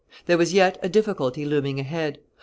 There was yet a difficulty looming ahead.